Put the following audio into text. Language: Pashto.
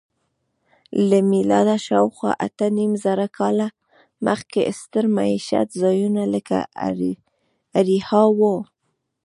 له میلاده شاوخوا اتهنیمزره کاله مخکې ستر میشت ځایونه لکه اریحا وو.